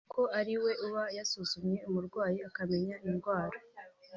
kuko ari we uba yasuzumye umurwayi akamenya indwara